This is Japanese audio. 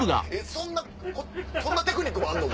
そんなテクニックもあんの？